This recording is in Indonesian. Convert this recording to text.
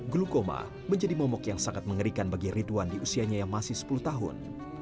glukoma menjadi momok yang sangat mengerikan bagi ridwan di usianya yang masih sepuluh tahun